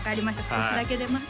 少しだけ出ます